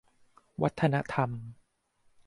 วัฒนธรรม